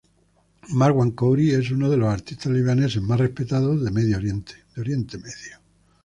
Marwan Khoury es uno de los artistas libaneses más respetados de Medio Oriente.